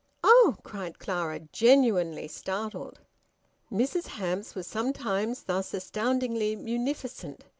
"Oh!" cried Clara, genuinely startled. Mrs Hamps was sometimes thus astoundingly munificent.